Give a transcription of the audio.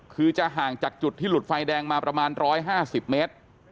คือจะห่างจากจุดที่หลุดไฟแดงมาประมาณ๑๕๐เมตร